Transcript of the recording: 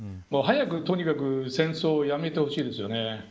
早く、とにかく戦争をやめてほしいですよね。